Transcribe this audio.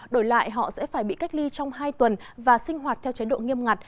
đổi lại họ sẽ phải bị cách ly trong hai tuần và sinh hoạt theo chế độ nghiêm ngặt